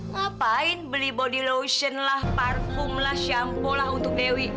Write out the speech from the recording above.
ngapain beli body lotion lah parfum lah shampo lah untuk dewi